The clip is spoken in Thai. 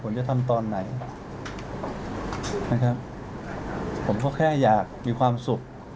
ผมจะทำตอนไหนนะครับผมก็แค่อยากมีความสุข